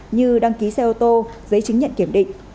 như đăng ký xe ô tô giấy chứng nhận kiểm định